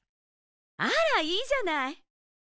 あらいいじゃない！